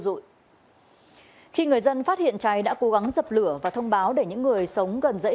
dụi khi người dân phát hiện cháy đã cố gắng dập lửa và thông báo để những người sống gần dãy